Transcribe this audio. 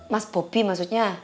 mas popi maksudnya